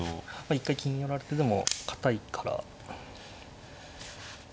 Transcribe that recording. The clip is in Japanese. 一回金寄られてでも堅いから。